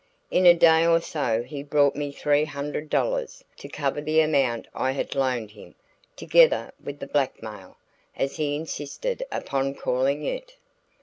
In a day or so he brought me three hundred dollars, to cover the amount I had loaned him, together with the "blackmail," as he insisted upon calling it.